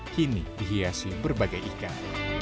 kini dihiasi berbagai ikan